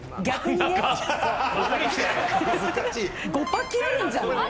５パキあるんじゃない？